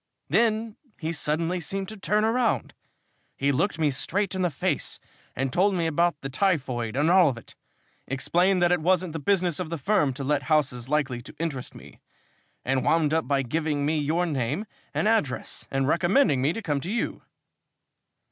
Then he suddenly seemed to turn round. He looked me straight in the face and told me about the typhoid and all of it, explained that it wasn't the business of the firm to let houses likely to interest me, and wound up by giving me your name and address and recommending me to come to you."